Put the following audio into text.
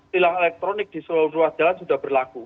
tilang elektronik di seluruh ruas jalan sudah berlaku